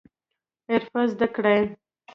حرفه زده کړئ